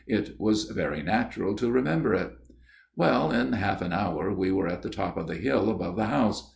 It was very natural to remember it." " Well, in half an hour we were at the top of the hill above the house.